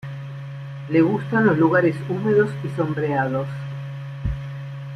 Le gustan los lugares húmedos y sombreados.